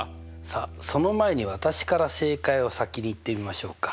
さあその前に私から正解を先に言ってみましょうか。